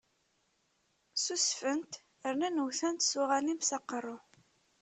Ssusfen-t, rnan wwten-t s uɣanim s aqerru.